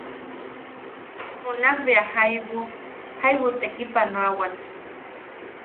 Junak bea jaibu jaibu tekipanoawan.